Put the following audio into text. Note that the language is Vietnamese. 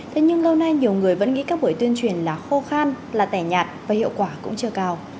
thế nhưng lâu nay nhiều người vẫn nghĩ các buổi tuyên truyền là khô khan là tẻ nhạt và hiệu quả cũng chưa cao